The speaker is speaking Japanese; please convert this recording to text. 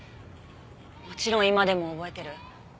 もちろん今でも覚えてる。